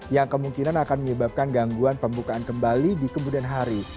yang kemungkinan akan menyebabkan gangguan pembukaan kembali di kemudian hari